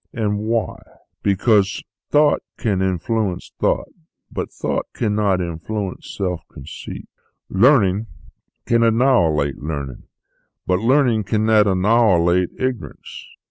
And why ? Because thought can influence thought, but thought cannot influence self conceit ; learning can annihilate learning ; but learning cannot annihilate ignorance.